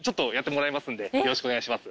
よろしくお願いします。